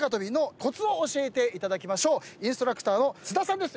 インストラクターの須田さんです。